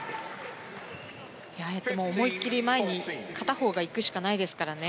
思いっきり前に片方が行くしかないですからね。